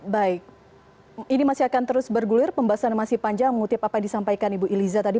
baik ini masih akan terus bergulir pembahasan masih panjang mengutip apa yang disampaikan ibu iliza tadi